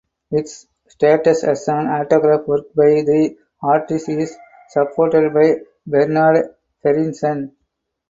Its status as an autograph work by the artist is supported by Bernard Berenson.